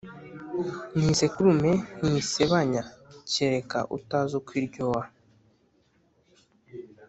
Ni isekurume ntisebanya kereka utazi uko iryoha